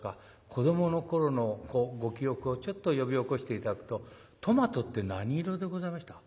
子どもの頃のご記憶をちょっと呼び起こして頂くとトマトって何色でございました？